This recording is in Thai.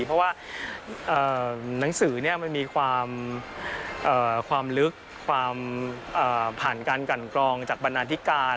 เพราะว่าหนังสือมันมีความลึกความผ่านการกันกรองจากบรรณาธิการ